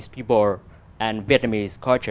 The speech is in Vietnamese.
bạn vẫn cần